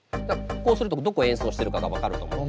こうするとどこを演奏しているかが分かると思う。